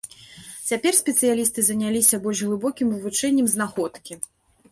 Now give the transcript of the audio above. Цяпер спецыялісты заняліся больш глыбокім вывучэннем знаходкі.